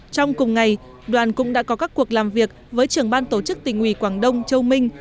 trong cùng ngày đoàn cũng đã có các cuộc làm việc với trưởng ban tổ chức tỉnh ủy quảng đông châu minh